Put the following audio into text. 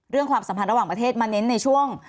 ความสัมพันธ์ระหว่างประเทศมาเน้นในช่วง